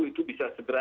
itu bisa segera